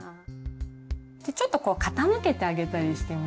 ちょっとこう傾けてあげたりしてみましょう。